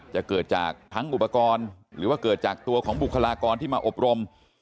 จะเกิดจากทั้งอุปกรณ์หรือว่าเกิดจากตัวของบุคลากรที่มาอบรม